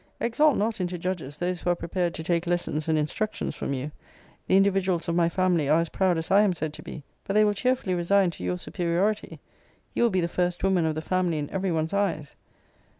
Exalt not into judges those who are prepared to take lessons and instructions from you. The individuals of my family are as proud as I am said to be. But they will cheerfully resign to your superiority you will be the first woman of the family in every one's eyes.